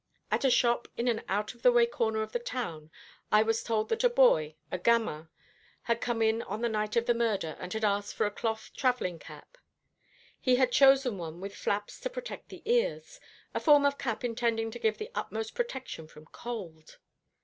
At a shop in an out of the way corner of the town I was told that a boy, a gamin, had come in on the night of the murder, and had asked for a cloth travelling cap. He had chosen one with flaps to protect the ears, a form of cap intended to give the utmost protection from cold.